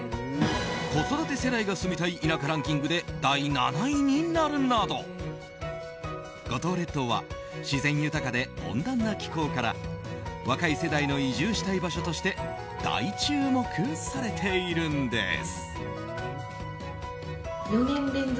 子育て世代が住みたい田舎ランキングで第７位になるなど五島列島は自然豊かで温暖な気候から若い世代の移住したい場所として大注目されているんです。